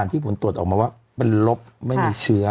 เป็นมีผลตรวจออกแล้วว่ามีความครบไม่มีเชื้อ